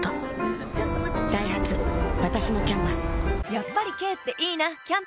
やっぱり軽っていいなキャンペーン